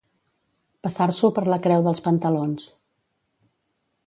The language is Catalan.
Passar-s'ho per la creu dels pantalons.